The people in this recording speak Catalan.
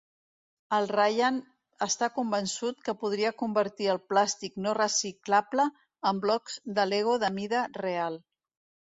El Rayan està convençut que podria convertir el plàstic no reciclable en blocs de Lego de mida real.